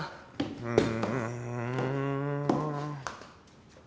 うん。